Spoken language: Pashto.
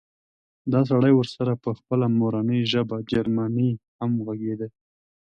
دا سړی ورسره په خپله مورنۍ ژبه جرمني هم غږېده